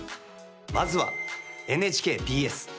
まずは、ＮＨＫＢＳ。